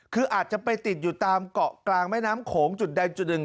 คืออาจจะไปติดอยู่ตามเกาะกลางแม่น้ำโขงจุดใดจุดหนึ่ง